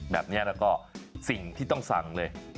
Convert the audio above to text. แบบนี้แล้วก็สิ่งที่ต้องสั่งเลย